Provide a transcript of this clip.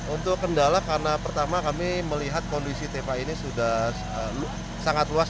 untuk kendala karena pertama kami melihat kondisi tpa ini sudah sangat luas